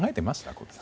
小木さん。